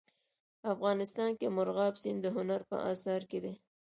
افغانستان کې مورغاب سیند د هنر په اثار کې دی.